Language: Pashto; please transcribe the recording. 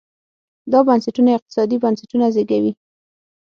دا بنسټونه اقتصادي بنسټونه زېږوي.